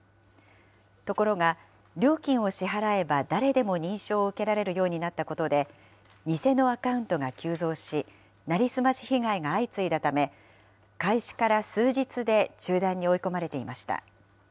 ところが、料金を支払えば、誰でも認証を受けられるようになったことで、偽のアカウントが急増し、成り済まし被害が相次いだため、開始から数日で中断に追い込まれていました。